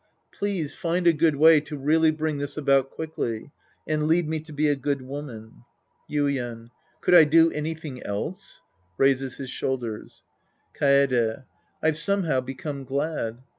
Please find a good way to really bring this about quickly. And lead me to be a good woman. Yuien. Could I do anything else? {Raises his shoulders^ Kaede. I've somehow become glad.